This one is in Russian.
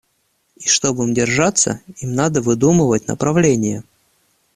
И, чтоб им держаться, им надо выдумывать направление.